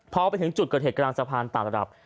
พอไปถึงจุดเกิดเหตุกลางสะพานต่างระดับ